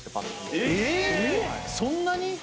そんなに？